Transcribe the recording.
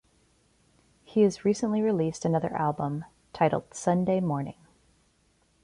He has recently released another album, titled Sunday Morning.